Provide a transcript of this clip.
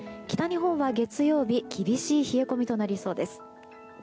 北日本は月曜日厳しい冷え込みとなりそうです。